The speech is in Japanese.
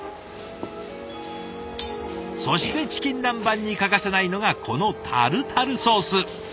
そしてチキン南蛮に欠かせないのがこのタルタルソース！